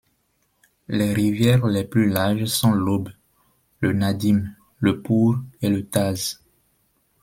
Les rivières les plus larges sont l'Ob, le Nadym, le Pour et le Taz.